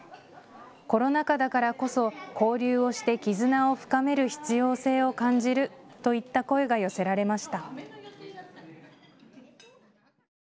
コロナ禍だからこそ交流をして絆を深める必要性を感じるといった声が寄せられました。